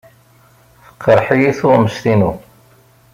Teqreḥ-iyi tuɣmest-inu.